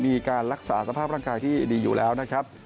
มีการรักษาสภาพร่างกายที่ดีอยู่แล้วนะครับ